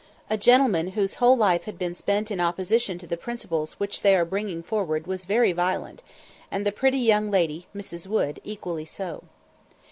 A gentleman whose whole life had been spent in opposition to the principles which they are bringing forward was very violent, and the pretty young lady, Mrs. Wood, equally so.